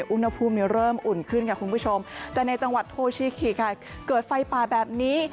อุณหภูมิเริ่มอุ่นขึ้นค่ะคุณผู้ชมแต่ในจังหวัดโทชิคิค่ะเกิดไฟป่าแบบนี้